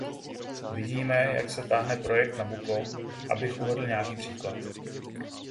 Vidíme, jak se táhne projekt Nabucco, abych uvedl nějaký příklad.